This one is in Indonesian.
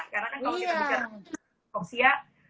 karena kalau kita bicara foksia